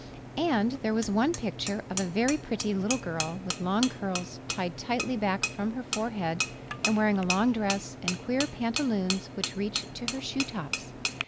And there was one picture of a very pretty little girl with long curls tied tightly back from her forehead and wearing a long dress and queer pantaloons which reached to her shoe tops.